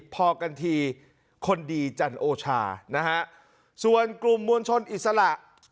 พอกันทีคนดีจันโอชานะฮะส่วนกลุ่มมวลชนอิสระ